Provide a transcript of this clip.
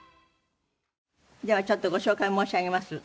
ではちょっとご紹介申し上げます。